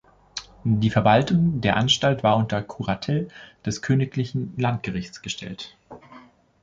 Die Verwaltung der Anstalt war unter Kuratel des königlichen Landgerichts gestellt.